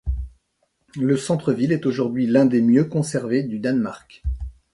Le centre-ville est aujourd’hui l’un des mieux conservés du Danemark.